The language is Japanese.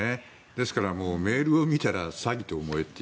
ですから、メールを見たら詐欺と思えと。